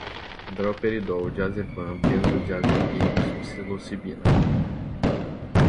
droperidol, diazepam, benzodiazepínicos, psilocibina